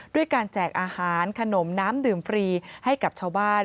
ด้วยการแจกอาหารขนมน้ำดื่มฟรีให้กับชาวบ้าน